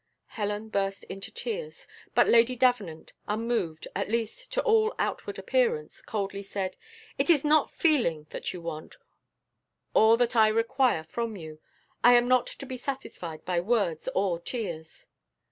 Helen burst into tears. But Lady Davenant, unmoved, at least to all outward appearance, coldly said, "It is not feeling that you want, or that I require from you; I am not to be satisfied by words or tears."